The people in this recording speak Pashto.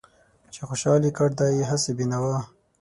چې خوشحال يې کړ دا هسې بې نوا